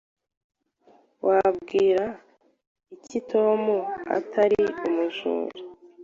Wabwirwa n'iki ko Tom atari umujura?